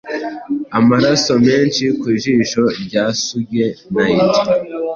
amaraso menshi ku ijosi rya Suge Knight,